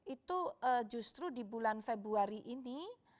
itu justru di bulan februari ini